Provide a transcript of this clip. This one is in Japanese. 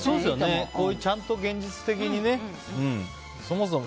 ちゃんと現実的にね。